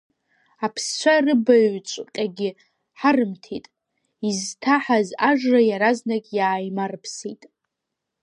Аԥсцәа рыбаҩҵәҟьагьы ҳарымҭеит, изҭаҳаз ажра иаразнак иааимарыԥсеит.